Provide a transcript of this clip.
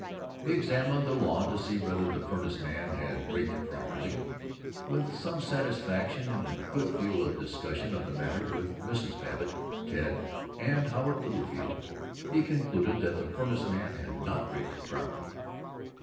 He examined the lawn to see whether the furnace man had raked it properly. With some satisfaction and a good deal of discussion of the matter with Mrs. Babbitt, Ted, and Howard Littlefield, he concluded that the furnace man had not raked it properly.